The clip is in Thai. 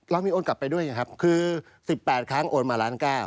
เรามีโอนกลับไปด้วยนะครับคือ๑๘ครั้งโอนมาล้าน๙